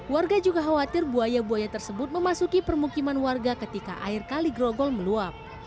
warga juga khawatir buaya buaya tersebut memasuki permukiman warga ketika air kaligrogol meluap